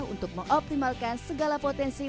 untuk mengoptimalkan segala potensi